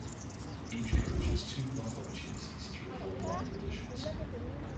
Each coach had two block opportunities through the whole blind auditions.